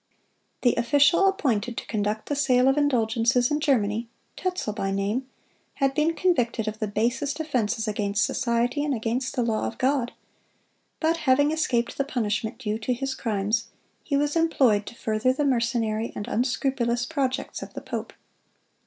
The official appointed to conduct the sale of indulgences in Germany—Tetzel by name—had been convicted of the basest offenses against society and against the law of God; but having escaped the punishment due to his crimes, he was employed to further the mercenary and unscrupulous projects of the pope.